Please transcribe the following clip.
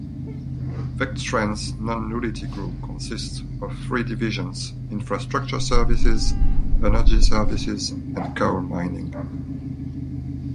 Vectren's nonutility group consists of three divisions Infrastructure Services, Energy Services, and Coal Mining.